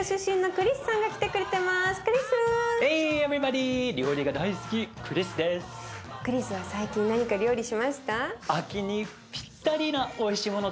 クリスは最近何か料理しました？